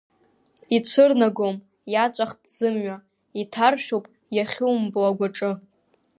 Ицәырнагом, иаҵәахт зымҩа, иҭаршәуп иахьумбо агәаҿы…